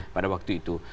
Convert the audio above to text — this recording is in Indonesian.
pada waktu itu